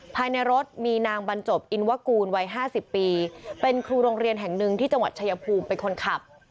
ภายในรถมีนางบรรจบอินวกูลวัย๕๐ปีเป็นครูโรงเรียนแห่งหนึ่งที่จังหวัดชายภูมิเป็นคนขับ